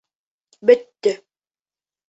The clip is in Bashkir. Бөттө...